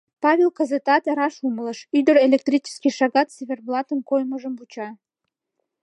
Павел кызытат раш умылыш: ӱдыр электрический шагат циферблатым коймыжым вуча.